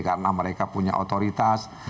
karena mereka punya otoritas